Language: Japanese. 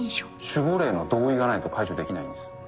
守護霊の同意がないと解除できないんです。